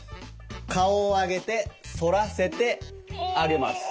顔をあげて反らせてあげます。